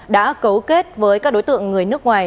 đã cấu kết với các đối tượng người nước ngoài